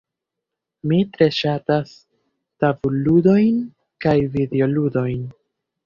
Mi tre ŝatas tabulludojn kaj videoludojn.